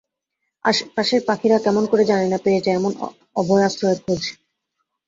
আশপাশের পাখিরা, কেমন করে জানি না, পেয়ে যায় এমন অভয় আশ্রয়ের খোঁজ।